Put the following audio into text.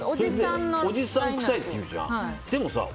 おじさんくさいって言うじゃん。